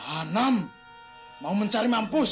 anam mau mencari mampus